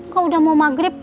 kok udah mau maghrib